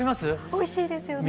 おいしいですよね。